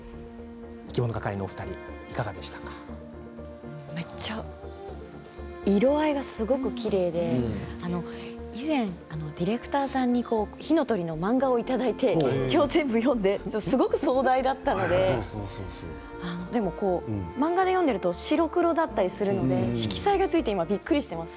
いきものがかりのお二人めっちゃ色合いがきれいで以前、ディレクターさんに「火の鳥」の漫画をいただいて全部、読んですごく壮大だったので漫画で読んでいると白黒だったりするので色彩がついてびっくりしています。